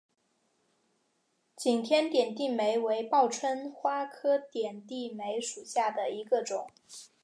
景天点地梅为报春花科点地梅属下的一个种。